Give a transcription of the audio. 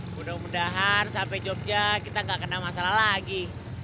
mudah mudahan sampai jogja kita nggak kena masalah lagi